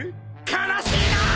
悲しいなあ！